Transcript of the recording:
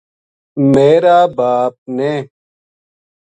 میرا باپ نے